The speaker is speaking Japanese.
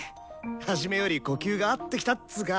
初めより呼吸が合ってきたっつか。